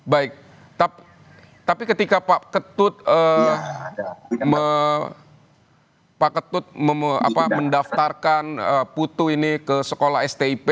baik tapi ketika pak ketut mendaftarkan putu ini ke sekolah stp